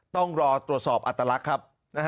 ต้องรอตรวจสอบอัตลักษณ์ครับ